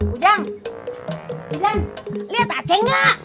ujang idan lihat achen nggak